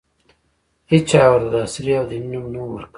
هېچا ورته د عصري او دیني نوم نه ؤ ورکړی.